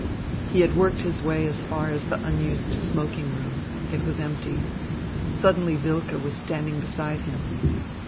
He had worked his way as far as the unused smoking room. It was empty. Suddenly Wilke was standing beside him.